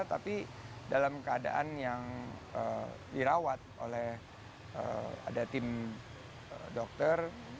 tapi dalam keadaan yang dirawat oleh ada tim dokter